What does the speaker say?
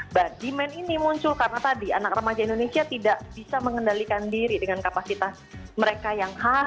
nah demand ini muncul karena tadi anak remaja indonesia tidak bisa mengendalikan diri dengan kapasitas mereka yang khas